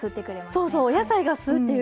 そうそうお野菜が吸うっていう。